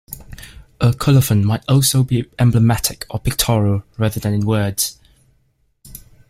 A colophon might also be emblematic or pictorial rather than in words.